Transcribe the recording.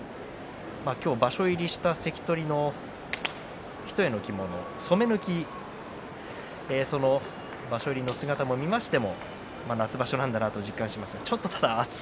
場所入りした関取の一重の着物染め抜き。場所入りの姿を見ましても夏場所なんだなと実感しました。